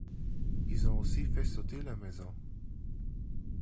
Ils ont aussi fait sauter leurs maisons.